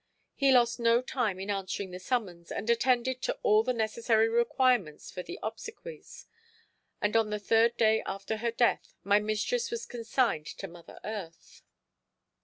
He lost no time in answering the summons and attended to all the necessary requirements for the obsequies, and on the third day after her death my mistress was consigned to mother earth.